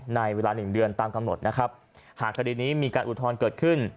ในเวลาหนึ่งเดือนตามกำหนดนะครับหากคดีนี้มีการอุทธรณ์เกิดขึ้น